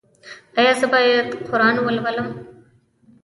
ایا زه باید قرآن ولولم؟